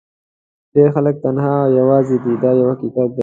ډېر خلک تنها او یوازې دي دا یو حقیقت دی.